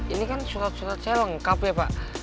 ini kan surat surat saya lengkap ya pak